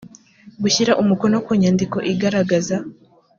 gushyira umukono ku nyandiko igaragaza